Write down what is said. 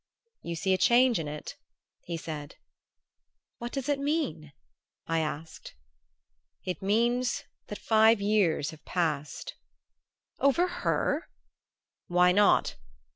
"You see a change in it?" he said. "What does it mean?" I asked. "It means that five years have passed." "Over her?" "Why not?